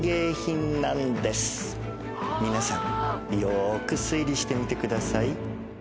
皆さんよーく推理してみてください。